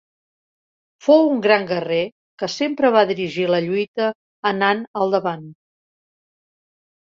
Fou un gran guerrer que sempre va dirigir la lluita anant al davant.